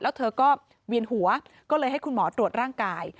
แล้วเธอก็เวียนหัวก็เลยให้คุณหมอตรวจร่างกาย